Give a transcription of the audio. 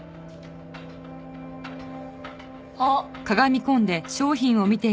あっ。